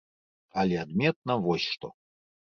Але адметна вось што.